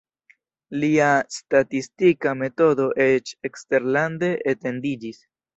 Lia statistika metodo eĉ eksterlande etendiĝis.